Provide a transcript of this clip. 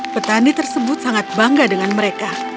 petani tersebut sangat bangga dengan mereka